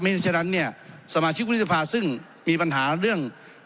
ไม่ใช่ฉะนั้นเนี่ยสมาชิกบุญศภาซึ่งมีปัญหาเรื่อง